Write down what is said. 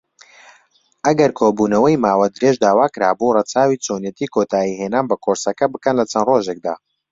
ئەگەر کۆبوونەوەی ماوە درێژ داواکرابوو، ڕەچاوی چۆنێتی کۆتایهێنان بە کۆرسەکە بکەن لەچەند ڕۆژێکدا.